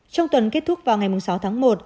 trong tuần kết thúc vào ngày sáu tháng một